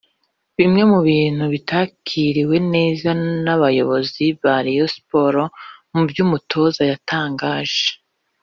Bimwe mu bintu bitakiriwe neza n’Abayobozi ba Rayon Sports mu byo umutoza yatangaje